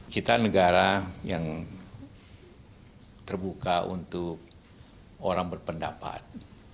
kita negara yang terbuka untuk orang berpendapat